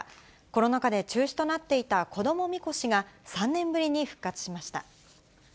コロナ禍で中止となっていた子どもみこしが、３年ぶりに復活しま